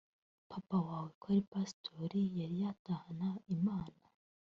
Papa wawe ko ari Pasitori yari yatahana Imana